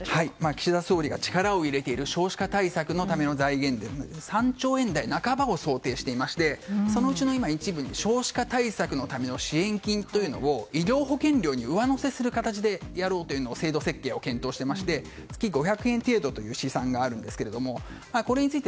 岸田総理が力を入れている少子化対策のための財源で３兆円台半ばを想定していましてそのうちの一部少子化対策のための支援金というものを医療保険料に上乗せする形でやろうと制度設計を検討していまして月５００円程度という試算があるんですけどもこれについて